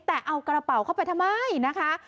แต่เอากระเป๋าเข้าไปทำไมนะคะ